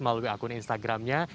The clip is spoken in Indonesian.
melalui akun instagramnya